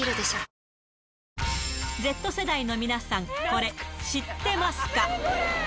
Ｚ世代の皆さん、これ知ってますか？